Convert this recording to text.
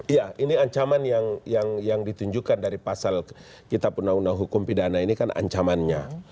iya ini ancaman yang ditunjukkan dari pasal kitab undang undang hukum pidana ini kan ancamannya